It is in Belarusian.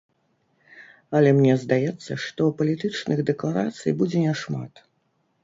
Але мне здаецца, што палітычных дэкларацый будзе няшмат.